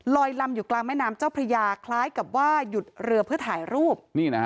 ลำอยู่กลางแม่น้ำเจ้าพระยาคล้ายกับว่าหยุดเรือเพื่อถ่ายรูป